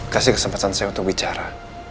kasih kesempatan saya untuk bicara